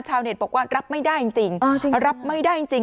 ชาวเน็ตบอกว่ารับไม่ได้จริง